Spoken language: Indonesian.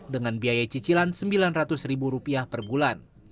dengan biaya cicilan rp sembilan ratus ribu rupiah per bulan